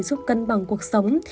giúp cân bằng cuộc sống